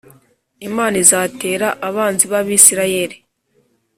Imana izatera abanzi b’Abisirayeli